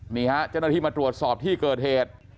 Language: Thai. นี่ครับจะต้องมีที่มาตรวจสอบที่เกิดเหตุ